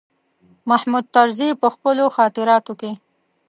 محمود طرزي په خپلو خاطراتو کې.